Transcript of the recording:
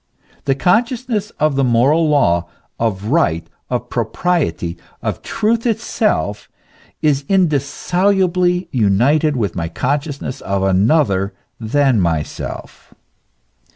The consciousness of the moral law, of right, of propriety, of truth itself, is indissolubly united with my consciousness of another than myself.